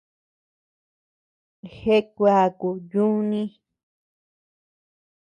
Jeaa kuaaku yuuni.